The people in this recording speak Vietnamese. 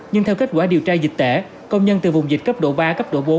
nhưng theo kết quả điều tra dịch tễ công nhân từ vùng dịch cấp độ ba cấp độ bốn